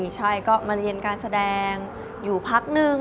ใช่ก็มาเรียนการแสดงอยู่พักนึง